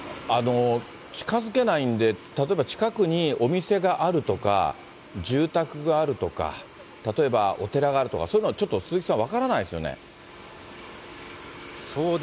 近づけないんで、例えば近くにお店があるとか、住宅があるとか、例えばお寺があるとか、そういうのはちょっと鈴木さん、分かそうですね。